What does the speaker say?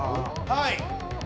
はい。